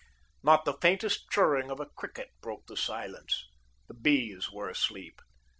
Not the faintest chirring of a cricket broke the silence. The bees were asleep.